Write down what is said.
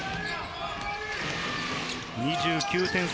２９点差。